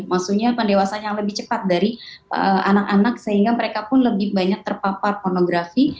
maksudnya pendewasaan yang lebih cepat dari anak anak sehingga mereka pun lebih banyak terpapar pornografi